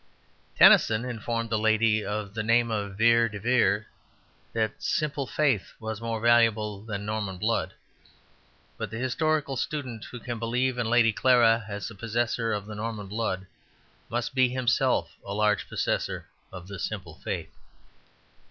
Tennyson informed a lady of the name of Vere de Vere that simple faith was more valuable than Norman blood. But the historical student who can believe in Lady Clara as the possessor of the Norman blood must be himself a large possessor of the simple faith.